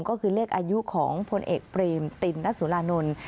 ก็คือเลขอายุของพลเอกเปรมตินนสุรานนท์